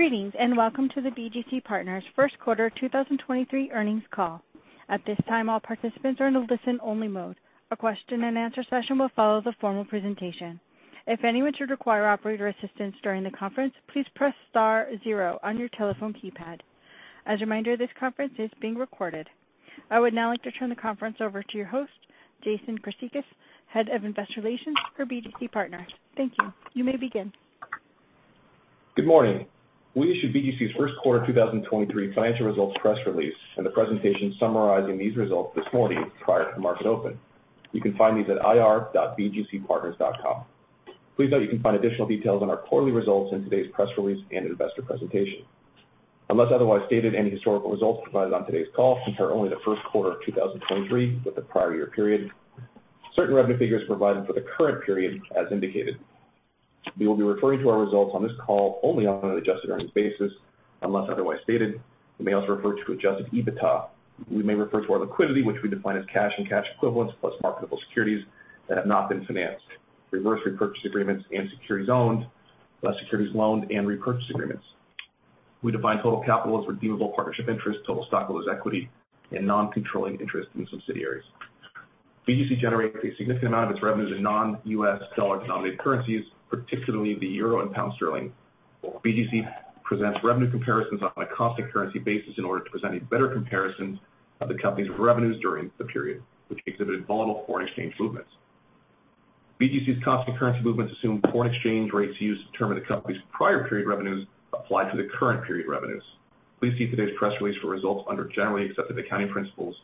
Greetings, welcome to the BGC Partners First Quarter 2023 Earnings Call. At this time, all participants are in a listen-only mode. A question and answer session will follow the formal presentation. If anyone should require operator assistance during the conference, please press star zero on your telephone keypad. As a reminder, this conference is being recorded. I would now like to turn the conference over to your host, Jason Chryssicas, Head of Investor Relations for BGC Partners. Thank you. You may begin. Good morning. We issued BGC's first quarter 2023 financial results press release and the presentation summarizing these results this morning prior to market open. You can find these at ir.bgcpartners.com. Please note you can find additional details on our quarterly results in today's press release and investor presentation. Unless otherwise stated, any historical results provided on today's call compare only the first quarter of 2023 with the prior year period. Certain revenue figures provided for the current period as indicated. We will be referring to our results on this call only on an adjusted earnings basis, unless otherwise stated. We may also refer to Adjusted EBITDA. We may refer to our liquidity, which we define as cash and cash equivalents plus marketable securities that have not been financed. Reverse repurchase agreements and securities owned, less securities loaned and repurchase agreements. We define total capital as redeemable partnership interest, total stockholders' equity, and non-controlling interest in subsidiaries. BGC generates a significant amount of its revenues in non-US dollar-denominated currencies, particularly the euro and pound sterling. BGC presents revenue comparisons on a constant currency basis in order to present a better comparison of the company's revenues during the period, which exhibited volatile foreign exchange movements. BGC's constant currency movements assume foreign exchange rates used to determine the company's prior period revenues applied to the current period revenues. Please see today's press release for results under generally accepted accounting principles.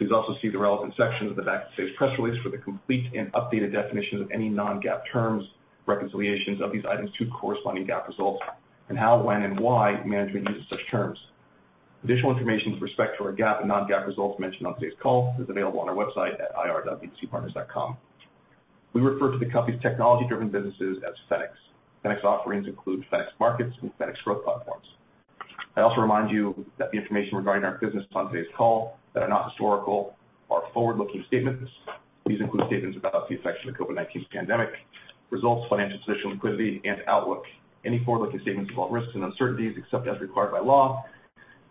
Please also see the relevant sections of the back of today's press release for the complete and updated definitions of any non-GAAP terms, reconciliations of these items to corresponding GAAP results, and how, when, and why management uses such terms. Additional information with respect to our GAAP and non-GAAP results mentioned on today's call is available on our website at ir.bgcpartners.com. We refer to the company's technology-driven businesses as Fenics. Fenics offerings include Fenics Markets and Fenics Growth Platforms. I also remind you that the information regarding our business on today's call that are not historical are forward-looking statements. These include statements about the effects of the COVID-19 pandemic, results, financial position, liquidity, and outlook. Any forward-looking statements involve risks and uncertainties, except as required by law.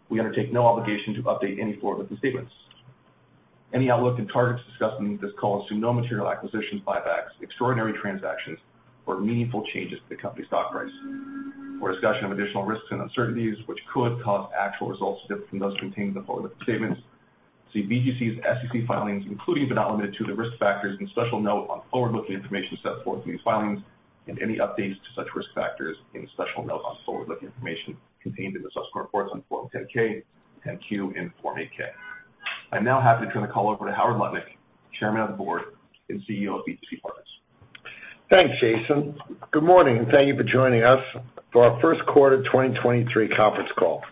We undertake no obligation to update any forward-looking statements. Any outlook and targets discussed in this call assume no material acquisitions, buybacks, extraordinary transactions, or meaningful changes to the company's stock price. For a discussion of additional risks and uncertainties which could cause actual results to differ from those contained in the forward-looking statements, see BGC's SEC filings, including but not limited to the risk factors and special note on forward-looking information set forth in these filings and any updates to such risk factors in the special note on forward-looking information contained in the subsequent reports on Form 10-K, Form 10-Q, and Form 8-K. I'm now happy to turn the call over to Howard Lutnick, Chairman of the Board and CEO of BGC Partners. Thanks, Jason. Good morning, thank you for joining us for our first quarter 2023 conference call.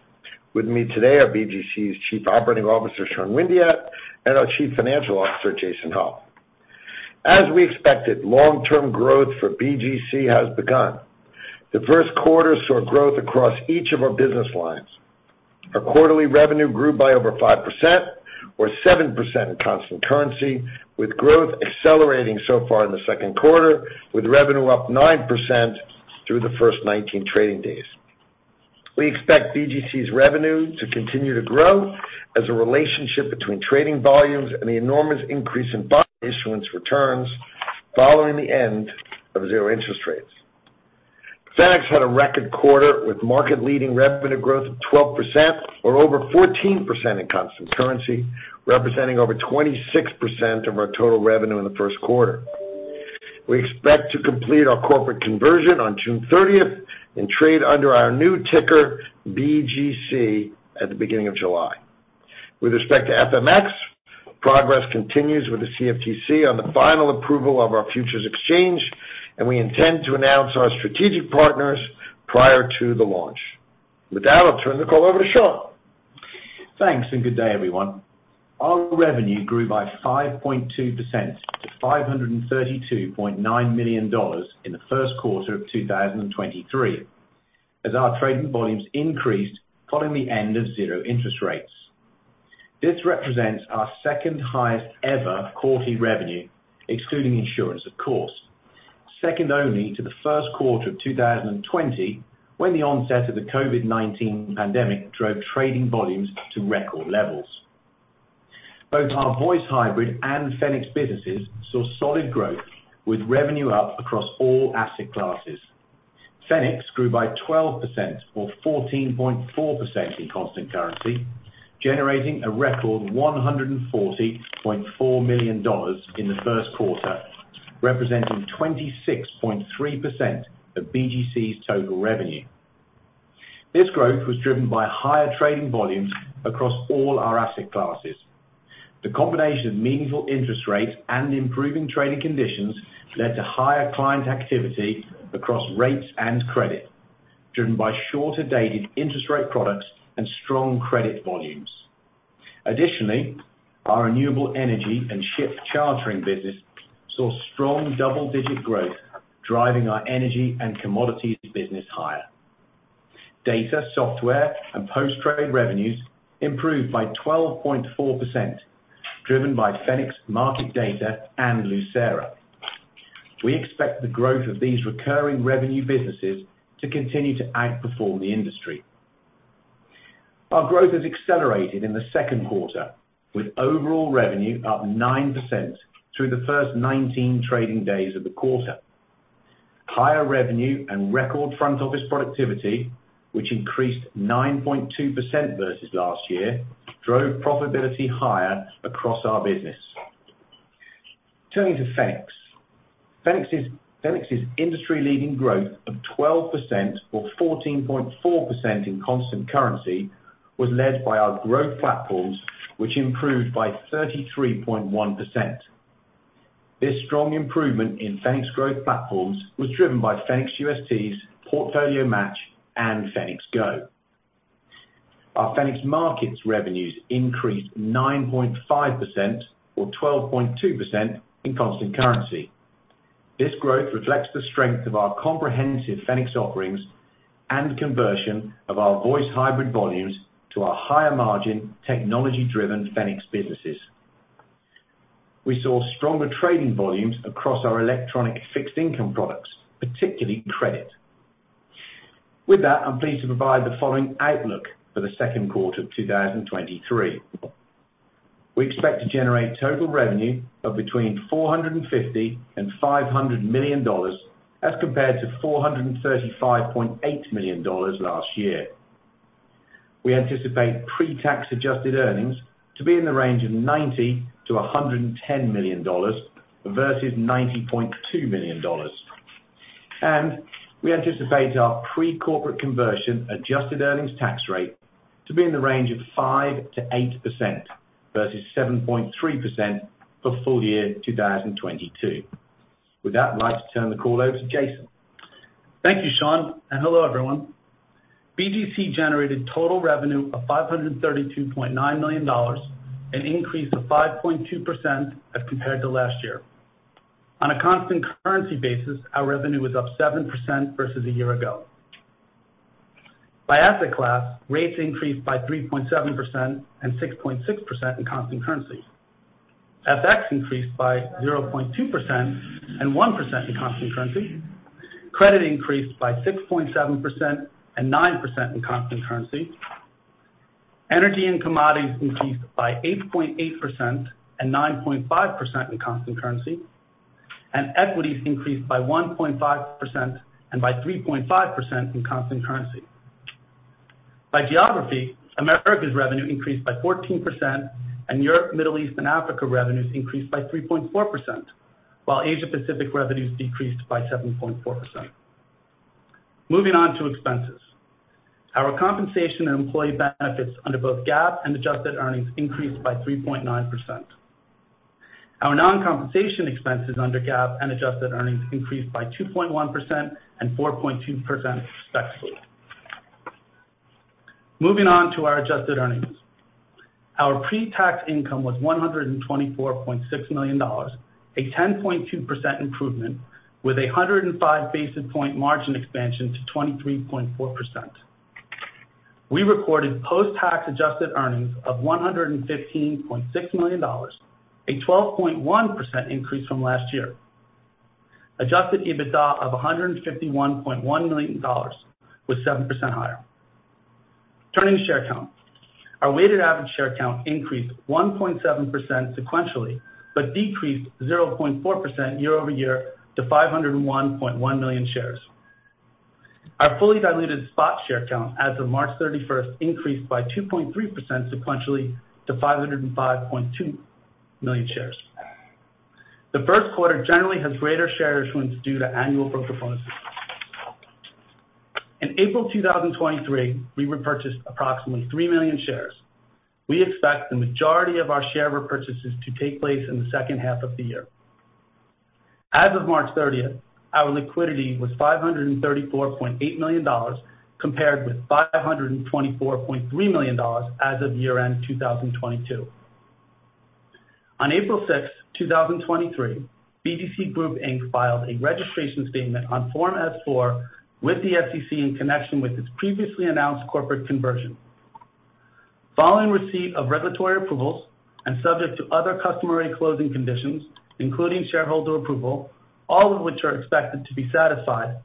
With me today are BGC's Chief Operating Officer, Sean Windeatt, and our Chief Financial Officer, Jason Hauf. As we expected, long-term growth for BGC has begun. The first quarter saw growth across each of our business lines. Our quarterly revenue grew by over 5% or 7% in constant currency, with growth accelerating so far in the second quarter, with revenue up 9% through the first 19 trading days. We expect BGC's revenue to continue to grow as a relationship between trading volumes and the enormous increase in bond issuance returns following the end of zero interest rates. Fenics had a record quarter with market-leading revenue growth of 12% or over 14% in constant currency, representing over 26% of our total revenue in the first quarter. We expect to complete our corporate conversion on June 30th and trade under our new ticker, BGC, at the beginning of July. With respect to FMX, progress continues with the CFTC on the final approval of our futures exchange, and we intend to announce our strategic partners prior to the launch. With that, I'll turn the call over to Sean. Thanks. Good day, everyone. Our revenue grew by 5.2% to $532.9 million in the first quarter of 2023, as our trading volumes increased following the end of zero interest rates. This represents our second-highest-ever quarterly revenue, excluding insurance, of course, second only to the first quarter of 2020 when the onset of the COVID-19 pandemic drove trading volumes to record levels. Both our Voice/Hybrid and Fenics businesses saw solid growth, with revenue up across all asset classes. Fenics grew by 12% or 14.4% in constant currency, generating a record $140.4 million in the first quarter, representing 26.3% of BGC's total revenue. This growth was driven by higher trading volumes across all our asset classes. The combination of meaningful interest rates and improving trading conditions led to higher client activity across rates and credit, driven by shorter-dated interest rate products and strong credit volumes. Additionally, our renewable energy and ship chartering business saw strong double-digit growth, driving our energy and commodities business higher. Data, software, and post-trade revenues improved by 12.4%, driven by Fenics Market Data and Lucera. We expect the growth of these recurring revenue businesses to continue to outperform the industry. Our growth has accelerated in the second quarter, with overall revenue up 9% through the first 19 trading days of the quarter. Higher revenue and record front office productivity, which increased 9.2% versus last year, drove profitability higher across our business. Turning to Fenics. Fenics's industry-leading growth of 12%, or 14.4% in constant currency, was led by our growth platforms, which improved by 33.1%. This strong improvement in Fenics Growth Platforms was driven by Fenics USTs, PortfolioMatch and Fenics GO. Our Fenics Markets revenues increased 9.5% or 12.2% in constant currency. This growth reflects the strength of our comprehensive Fenics offerings and conversion of our Voice/Hybrid volumes to our higher-margin technology-driven Fenics businesses. We saw stronger trading volumes across our electronic fixed income products, particularly credit. With that, I'm pleased to provide the following outlook for the second quarter of 2023. We expect to generate total revenue of between $450 million-$500 million as compared to $435.8 million last year. We anticipate pre-tax adjusted earnings to be in the range of $90 million-$110 million versus $90.2 million. We anticipate our pre-corporate conversion adjusted earnings tax rate to be in the range of 5%-8% versus 7.3% for full year 2022. With that, I'd like to turn the call over to Jason. Thank you, Sean, and hello, everyone. BGC generated total revenue of $532.9 million, an increase of 5.2% as compared to last year. On a constant currency basis, our revenue was up 7% versus a year ago. By asset class, rates increased by 3.7% and 6.6% in constant currency. FX increased by 0.2% and 1% in constant currency. Credit increased by 6.7% and 9% in constant currency. Energy and commodities increased by 8.8% and 9.5% in constant currency, and equities increased by 1.5% and by 3.5% in constant currency. By geography, America's revenue increased by 14%, Europe, Middle East, and Africa revenues increased by 3.4%, while Asia Pacific revenues decreased by 7.4%. Moving on to expenses. Our compensation and employee benefits under both GAAP and adjusted earnings increased by 3.9%. Our non-compensation expenses under GAAP and adjusted earnings increased by 2.1% and 4.2% respectively. Moving on to our adjusted earnings. Our pre-tax income was $124.6 million, a 10.2% improvement with 105 basis point margin expansion to 23.4%. We reported post-tax adjusted earnings of $115.6 million, a 12.1% increase from last year. Adjusted EBITDA of $151.1 million was 7% higher. Turning to share count. Our weighted average share count increased 1.7% sequentially, but decreased 0.4% year-over-year to 501.1 million shares. Our fully diluted spot share count as of March 31st increased by 2.3% sequentially to 505.2 million shares. The first quarter generally has greater share issuance due to annual broker funds. In April 2023, we repurchased approximately 3 million shares. We expect the majority of our share repurchases to take place in the second half of the year. As of March 30th, our liquidity was $534.8 million, compared with $524.3 million as of year-end 2022. On April 6th, 2023, BGC Group Inc. filed a registration statement on Form S-4 with the SEC in connection with its previously announced corporate conversion. Following receipt of regulatory approvals and subject to other customary closing conditions, including shareholder approval, all of which are expected to be satisfied,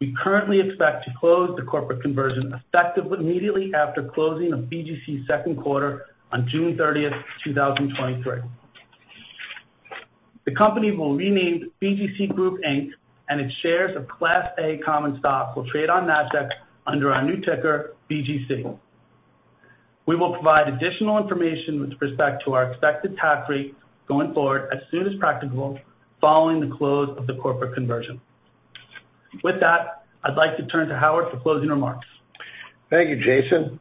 we currently expect to close the corporate conversion effective immediately after closing of BGC's second quarter on June 30, 2023. The company will be renamed BGC Group, Inc., and its shares of Class A common stock will trade on Nasdaq under our new ticker, BGC. We will provide additional information with respect to our expected tax rate going forward as soon as practicable following the close of the corporate conversion. With that, I'd like to turn to Howard for closing remarks. Thank you, Jason.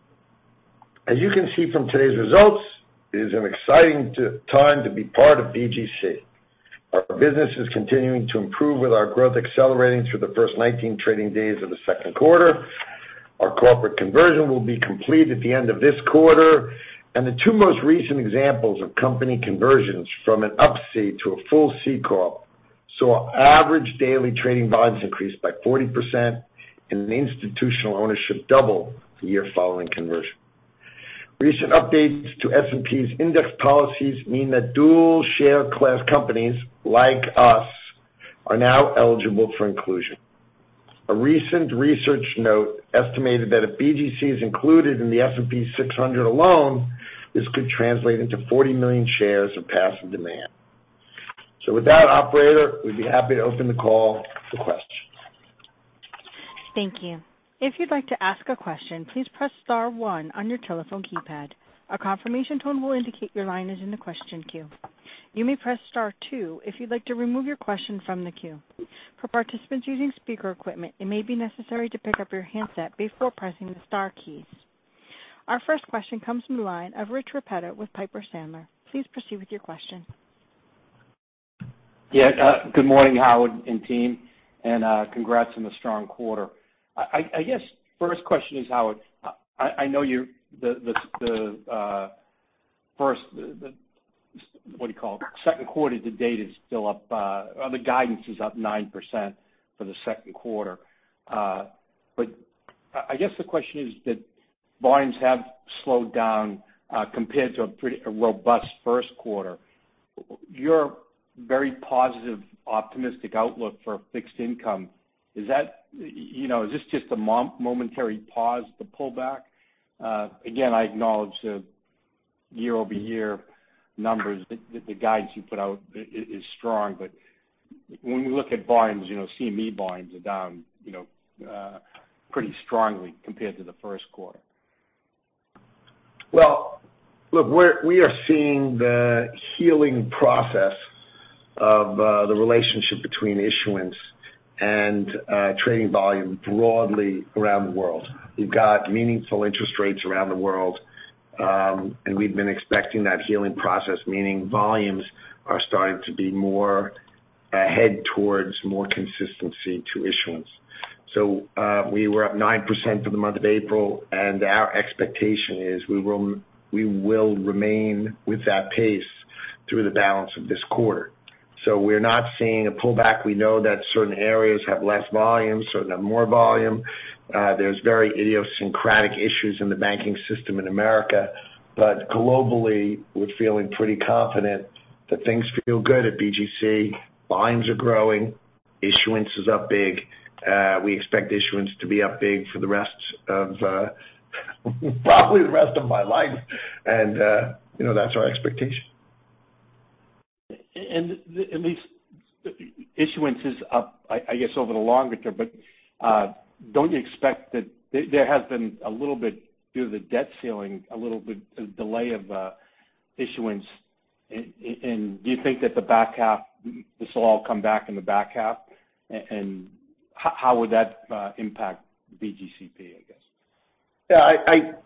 As you can see from today's results, it is an exciting time to be part of BGC. Our business is continuing to improve with our growth accelerating through the first 19 trading days of the second quarter. Our corporate conversion will be complete at the end of this quarter. The two most recent examples of company conversions from an Up-C to a full C-Corp saw average daily trading volumes increased by 40% and an institutional ownership double the year following conversion. Recent updates to S&P's index policies mean that dual share class companies like us are now eligible for inclusion. A recent research note estimated that if BGC is included in the S&P SmallCap 600 alone, this could translate into 40 million shares of passive demand. With that operator, we'd be happy to open the call for questions. Thank you. If you'd like to ask a question, please press star one on your telephone keypad. A confirmation tone will indicate your line is in the question queue. You may press startwo if you'd like to remove your question from the queue. For participants using speaker equipment, it may be necessary to pick up your handset before pressing the star keys. Our first question comes from the line of Rich Repetto with Piper Sandler. Please proceed with your question. Good morning, Howard and team, congrats on the strong quarter. I guess first question is, Howard, I know you, the first, what do you call it? Second quarter to date is still up. The guidance is up 9% for the second quarter. I guess the question is that volumes have slowed down compared to a pretty, a robust first quarter. Your very positive, optimistic outlook for fixed income is that, you know, is this just a momentary pause to pull back? I acknowledge the year-over-year numbers. The guidance you put out is strong, but when we look at volumes, you know, C&A volumes are down, you know, pretty strongly compared to the first quarter. Well, look, we are seeing the healing process of the relationship between issuance and trading volume broadly around the world. We've got meaningful interest rates around the world. We've been expecting that healing process, meaning volumes are starting to be more ahead towards more consistency to issuance. We were up 9% for the month of April, and our expectation is we will remain with that pace through the balance of this quarter. We're not seeing a pullback. We know that certain areas have less volume, certain have more volume. There's very idiosyncratic issues in the banking system in America. Globally, we're feeling pretty confident that things feel good at BGC. Volumes are growing. Issuance is up big. We expect issuance to be up big for the rest of probably the rest of my life. You know, that's our expectation. At least issuance is up, I guess, over the longer term, but, don't you expect that there has been a little bit due to the debt ceiling, a little bit delay of issuance? Do you think that the back half, this will all come back in the back half? How would that impact BGCP, I guess? Yeah,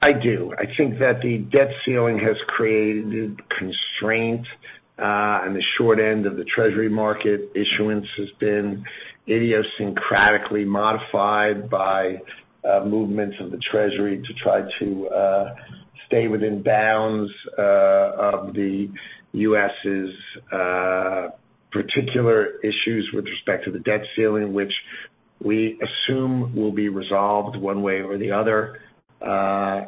I do. I think that the debt ceiling has created constraint on the short end of the treasury market. Issuance has been idiosyncratically modified by movements of the treasury to try to stay within bounds of the U.S.'s particular issues with respect to the debt ceiling, which we assume will be resolved one way or the other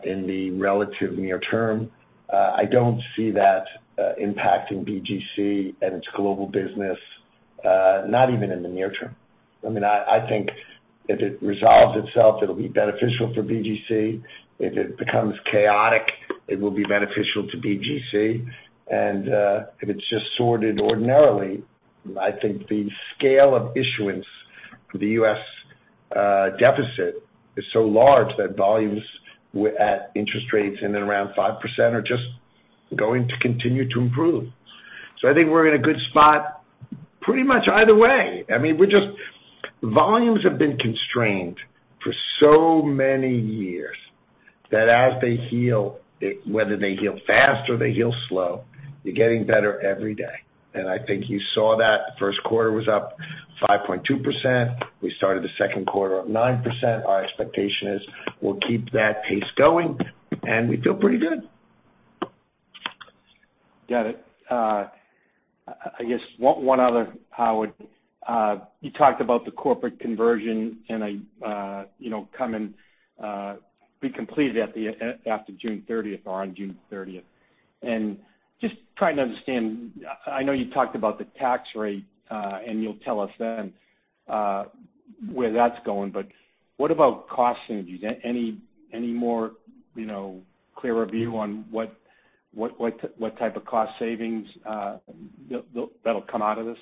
in the relative near term. I don't see that impacting BGC and its global business, not even in the near term. I mean, I think if it resolves itself it'll be beneficial for BGC. If it becomes chaotic, it will be beneficial to BGC. If it's just sorted ordinarily, I think the scale of issuance for the U.S. deficit is so large that volumes at interest rates in and around 5% are just going to continue to improve. I think we're in a good spot pretty much either way. I mean, Volumes have been constrained for so many years that as they heal, whether they heal fast or they heal slow, you're getting better every day. I think you saw that the first quarter was up 5.2%. We started the second quarter up 9%. Our expectation is we'll keep that pace going, and we feel pretty good. Got it. I guess one other, Howard. You talked about the corporate conversion and, you know, coming, be completed at the end after June thirtieth or on June thirtieth. Just trying to understand, I know you talked about the tax rate, and you'll tell us then, where that's going, but what about cost synergies? Any more, you know, clearer view on what type of cost savings, that'll come out of this?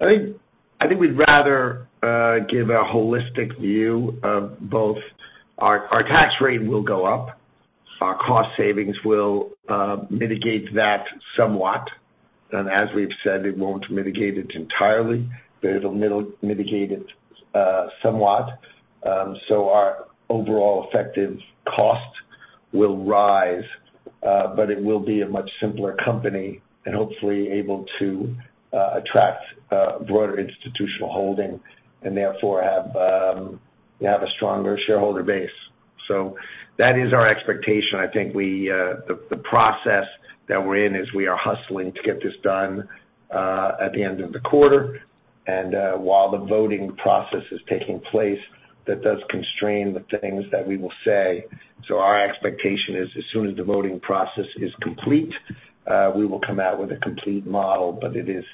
I think we'd rather give a holistic view of both. Our tax rate will go up. Our cost savings will mitigate that somewhat. As we've said, it won't mitigate it entirely, but it'll mitigate it somewhat. Our overall effective cost will rise, but it will be a much simpler company and hopefully able to attract a broader institutional holding and therefore have a stronger shareholder base. That is our expectation. I think we, the process that we're in is we are hustling to get this done at the end of the quarter. While the voting process is taking place, that does constrain the things that we will say. Our expectation is, as soon as the voting process is complete, we will come out with a complete model. It is.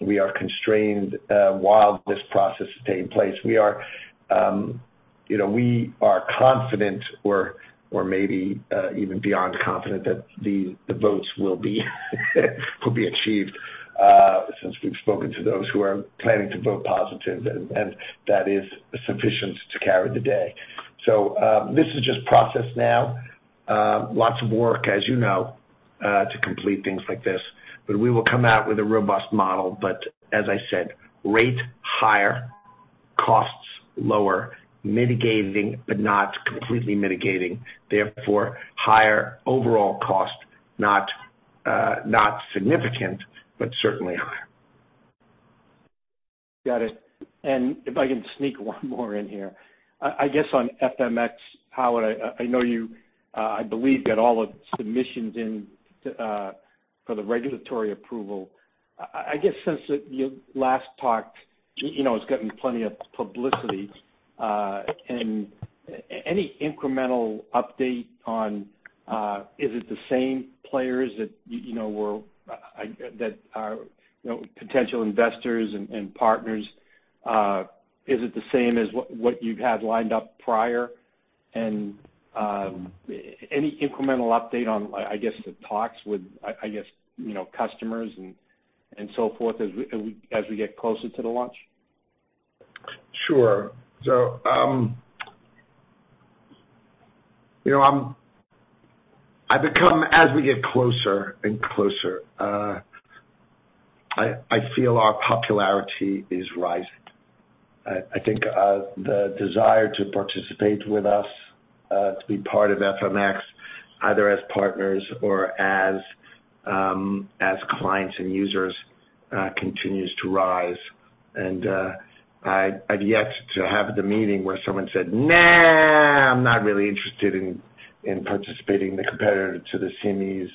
We are constrained while this process is taking place. We are, you know, we are confident or maybe even beyond confident that the votes will be achieved since we've spoken to those who are planning to vote positive and that is sufficient to carry the day. This is just process now. Lots of work, as you know, to complete things like this, but we will come out with a robust model. As I said, rate higher, costs lower, mitigating but not completely mitigating, therefore higher overall cost, not significant, but certainly higher. Got it. If I can sneak one more in here. I guess on FMX, Howard, I know you, I believe, get all the submissions in to for the regulatory approval. I guess, since you last talked, you know, it's gotten plenty of publicity. Any incremental update on, is it the same players that you know, were, That are, you know, potential investors and partners? Is it the same as what you had lined up prior? Any incremental update on, I guess, the talks with, I guess, you know, customers and so forth as we get closer to the launch? Sure. you know, As we get closer and closer, I feel our popularity is rising. I think, the desire to participate with us, to be part of FMX, either as partners or as clients and users, continues to rise. I've yet to have the meeting where someone said, "Nah, I'm not really interested in participating the competitor to the CME's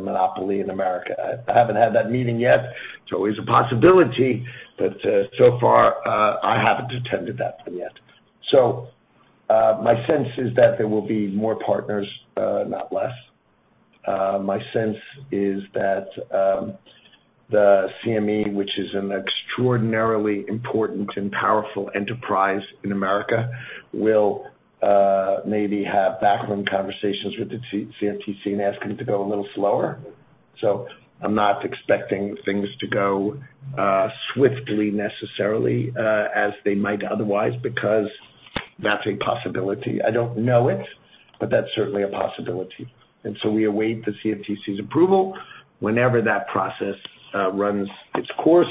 monopoly in America." I haven't had that meeting yet. It's always a possibility, but so far, I haven't attended that one yet. My sense is that there will be more partners, not less. My sense is that the CME, which is an extraordinarily important and powerful enterprise in America, will maybe have backroom conversations with the CFTC and ask them to go a little slower. I'm not expecting things to go swiftly necessarily, as they might otherwise, because that's a possibility. I don't know it, but that's certainly a possibility. We await the CFTC's approval whenever that process runs its course.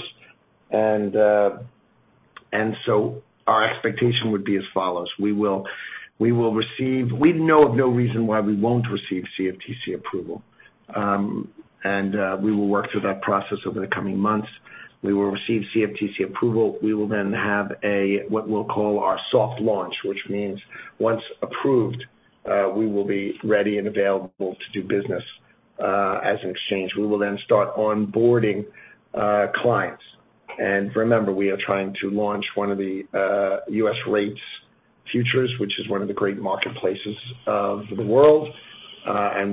Our expectation would be as follows: We know of no reason why we won't receive CFTC approval. We will work through that process over the coming months. We will receive CFTC approval. We will have a, what we'll call our soft launch, which means once approved, we will be ready and available to do business as an exchange. We will then start onboarding, clients. Remember, we are trying to launch one of the U.S. rates futures, which is one of the great marketplaces of the world.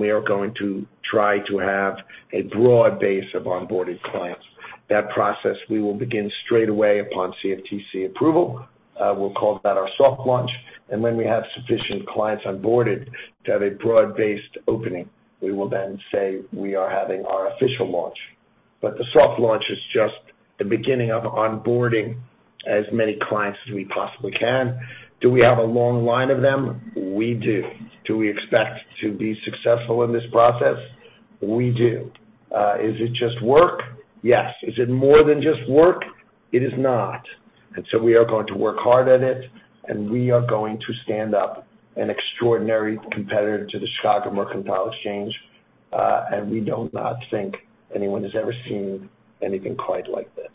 We are going to try to have a broad base of onboarded clients. That process we will begin straight away upon CFTC approval. We'll call that our soft launch. When we have sufficient clients onboarded to have a broad-based opening, we will then say we are having our official launch. The soft launch is just the beginning of onboarding as many clients as we possibly can. Do we have a long line of them? We do. Do we expect to be successful in this process? We do. Is it just work? Yes. Is it more than just work? It is not. We are going to work hard at it, and we are going to stand up an extraordinary competitor to the Chicago Mercantile Exchange. We do not think anyone has ever seen anything quite like this.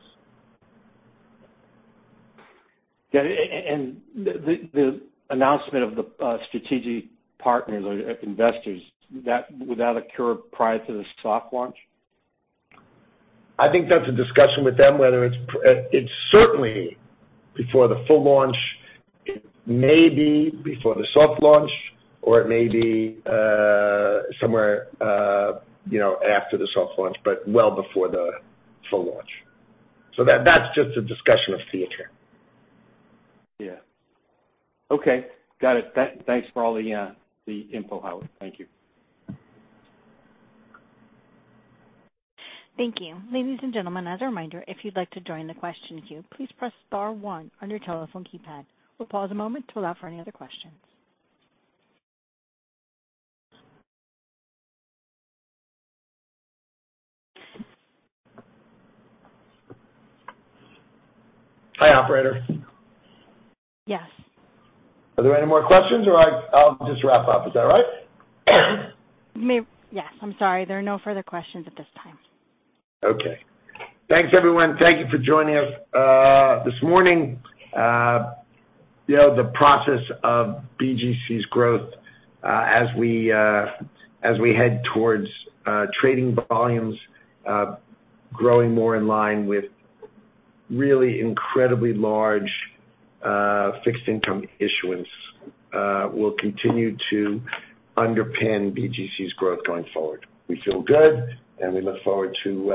Yeah. The announcement of the strategic partners or investors, would that occur prior to the soft launch? I think that's a discussion with them, whether it's certainly before the full launch. It may be before the soft launch or it may be, somewhere, you know, after the soft launch, but well before the full launch. That, that's just a discussion of theater. Yeah. Okay, got it. Thanks for all the info, Howard. Thank you. Thank you. Ladies and gentlemen, as a reminder, if you'd like to join the question queue, please press star one on your telephone keypad. We'll pause a moment to allow for any other questions. Hi, operator. Yes. Are there any more questions or I'll just wrap up. Is that all right? Yes. I'm sorry. There are no further questions at this time. Okay. Thanks, everyone. Thank you for joining us, this morning. You know, the process of BGC's growth, as we, as we head towards, trading volumes, growing more in line with really incredibly large, fixed income issuance, will continue to underpin BGC's growth going forward. We feel good, and we look forward to,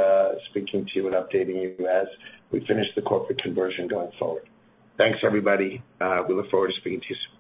speaking to you and updating you as we finish the corporate conversion going forward. Thanks, everybody. We look forward to speaking to you soon.